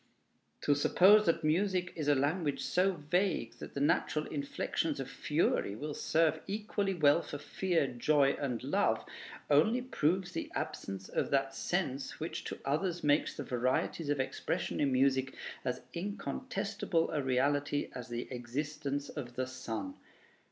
To suppose that music is a language so vague that the natural inflections of fury will serve equally well for fear, joy, and love, only proves the absence of that sense which to others makes the varieties of expression in music as incontestable a reality as the existence of the sun....